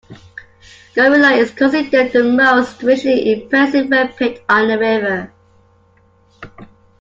Gorilla is considered the most visually impressive rapid on the river.